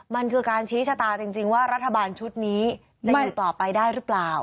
มันคือการชี้ชะตาจริงว่ารัฐบาลชุดนี้จะอยู่ต่อไปได้หรือเปล่า